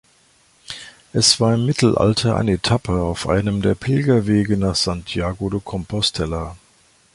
Es war im Mittelalter eine Etappe auf einem der Pilgerwege nach Santiago de Compostela.